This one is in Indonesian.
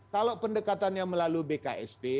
kalau pendekatannya melalui bksb